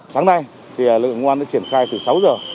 sáng nay lực lượng công an đã triển khai từ sáu giờ